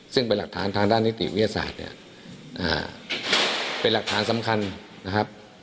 ซึ่งเป็นหลักฐานทางด้านนิติวิทยาศาสตร์เนี่ยเป็นหลักฐานสำคัญนะครับ